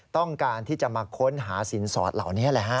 ต้องการที่จะมาค้นหาสินสอดเหล่านี้แหละฮะ